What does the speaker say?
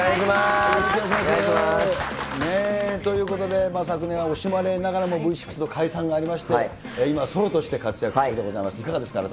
ということで、昨年は惜しまれながらもＶ６の解散がありまして、今はソロとして活躍中でございます。